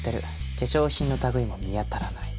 化粧品の類いも見当たらない。